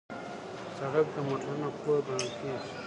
سړک د موټرونو کور ګڼل کېږي.